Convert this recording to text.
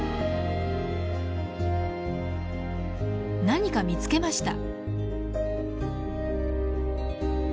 何か見つけました。